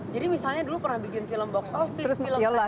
jadi misalnya dulu pernah bikin film box office film akhirnya gagal